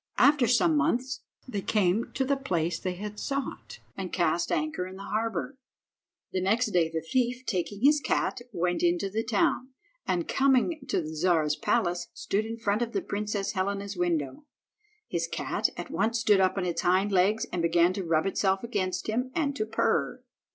After some months they came to the place they sought, and cast anchor in the harbour. The next day the thief, taking his cat, went into the town, and, coming to the Czar's palace, stood in front of the Princess Helena's window. His cat at once stood up on its hind legs and began to rub itself against him, and to purr.